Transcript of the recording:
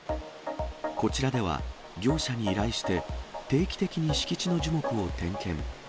こちらでは業者に依頼して、定期的に敷地の樹木を点検。